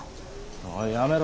おいやめろ。